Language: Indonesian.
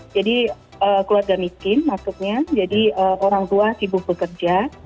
jadi keluarga miskin maksudnya jadi orang tua sibuk bekerja